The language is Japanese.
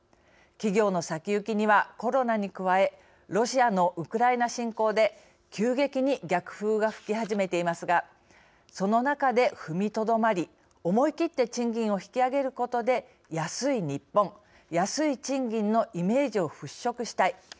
企業の先行きには、コロナに加えロシアのウクライナ侵攻で急激に逆風が吹き始めていますがその中で踏みとどまり思い切って賃金を引き上げることで安い日本、安い賃金のイメージを払拭したい。